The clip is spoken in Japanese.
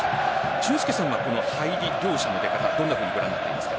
俊輔さんはこの入りどんなふうにご覧になっていますか？